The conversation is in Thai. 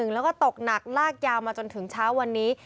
แล้วก็ตกหนักลากยาวมาจนถึงเช้าวันนี้